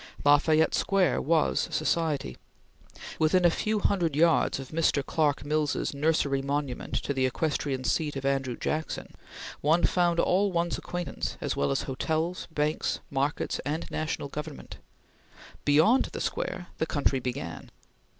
La Fayette Square was society. Within a few hundred yards of Mr. Clark Mills's nursery monument to the equestrian seat of Andrew Jackson, one found all one's acquaintance as well as hotels, banks, markets and national government. Beyond the Square the country began.